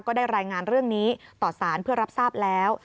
ก็ได้รายงานเรื่องนี้ต่อสารเพื่อรับทราบแล้ว